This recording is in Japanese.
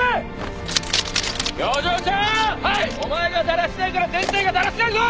お前がだらしないから全体がだらしないぞ！